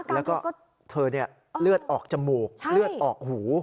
แล้วก็เธอเลือดออกจมูกเลือดออกหู